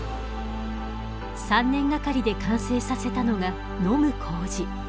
３年がかりで完成させたのが飲む糀。